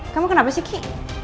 kamu kenapa sih ki